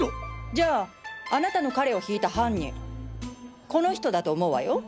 じゃああなたの彼をひいた犯人この人だと思うわよ！